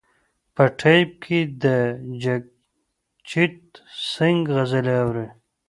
په ټیپ کې د جګجیت سنګ غزلې اوري.